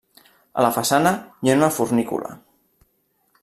A la façana hi ha una fornícula.